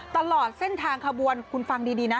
ตลอดเส้นทางขบวนคุณฟังดีนะ